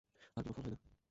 আর কোনো ফল হয় নাই।